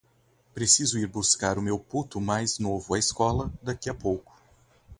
Preciso ir buscar o meu puto mais novo à escola daqui a pouco.